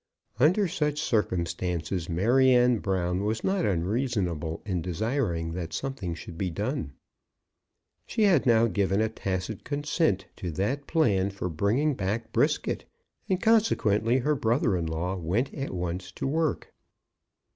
Under such circumstances Maryanne Brown was not unreasonable in desiring that something should be done. She had now given a tacit consent to that plan for bringing back Brisket, and consequently her brother in law went at once to work.